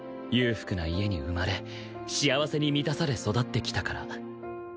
裕福な家に生まれ幸せに満たされ育ってきたから